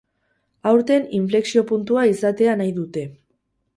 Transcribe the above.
Aurten inflexio-puntua izatea nahi dute.